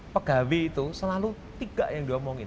pegawai itu selalu tiga yang diomongin